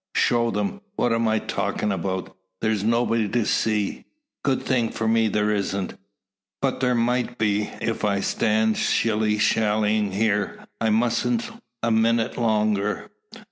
Show them! What am I talkin' 'bout? There's nobody to see. Good thing for me there isn't. But there might be, if I stand shilly shallying here. I mustn't a minute longer."